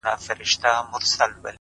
زحمت د موخو د رسېدو وسیله ده.